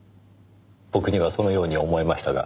僕にはそのように思えましたが。